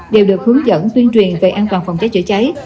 đều được hướng dẫn tuyên truyền về an toàn phòng cháy chữa cháy